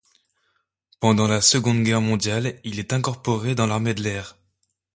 Pendant la seconde guerre mondiale il est incorporé dans l'armée de l'air.